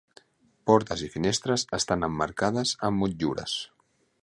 Portes i finestres estan emmarcades amb motllures.